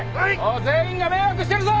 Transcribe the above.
全員が迷惑してるぞ！